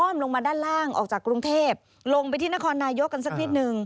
ลงมาด้านล่างออกจากกรุงเทพลงไปที่นครนายกกันสักนิดนึง